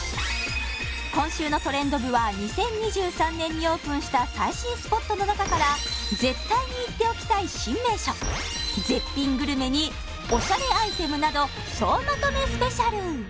今週のトレンド部は２０２３年にオープンした最新スポットの中から絶対に行っておきたい新名所絶品グルメにオシャレアイテムなど総まとめＳＰ